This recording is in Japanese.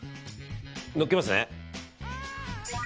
のっけますね。